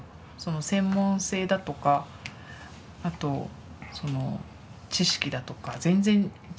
専門性だとかあとその知識だとか全然違うし。